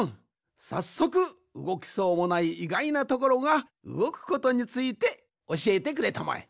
さっそくうごきそうもないいがいなところがうごくことについておしえてくれたまえ。